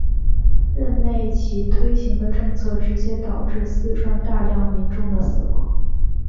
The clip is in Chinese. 任内其推行的政策直接导致四川大量民众的死亡。